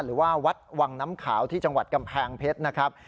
หรือว่าวัดวังน้ำขาวที่จังหวัดกำแพงเพชรนะครับ